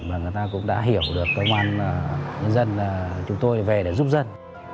và người ta cũng đã hiểu được cơ quan nhân dân chúng tôi về để giúp dân